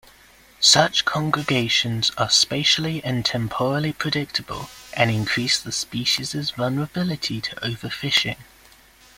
Such congregations are spatially and temporally predictable and increase the species' vulnerability to overfishing.